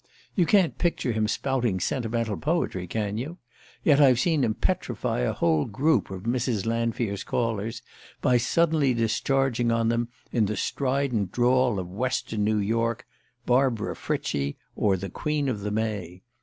You can't picture him spouting sentimental poetry, can you? Yet I've seen him petrify a whole group of Mrs. Lanfear's callers by suddenly discharging on them, in the strident drawl of Western New York, "Barbara Frietchie" or "The Queen of the May."